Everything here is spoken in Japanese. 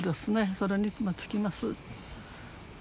それに尽きます